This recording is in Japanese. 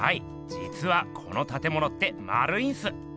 じつはこのたてものってまるいんす。